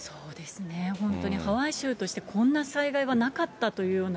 本当にハワイ州として、こんな災害はなかったというような。